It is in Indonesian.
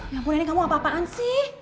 ya ampun nenek gak mau apa apaan sih